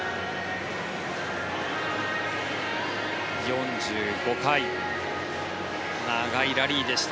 ４５回長いラリーでした。